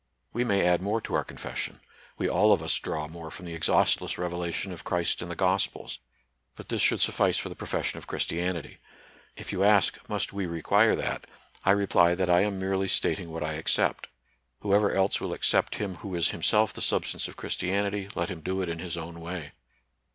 We may add more to our con fession : we all of us draw more from the ex haustless revelation of Christ in the gospels; but this should suffice for the profession of Christianity. If you ask, must we require that, I reply that I am merely stating what I ac cept. Whoever else will accept Him who ds 110 NATURAL SCIENCE AND RELIGION. himself the substance of Christianity, let him do it in his own way.